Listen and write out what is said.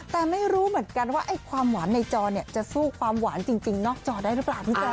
แต่ไม่รู้เหมือนกันว่าไอ้ความหวานในจอเนี่ยจะสู้ความหวานจริงนอกจอได้หรือเปล่าพี่แจ๊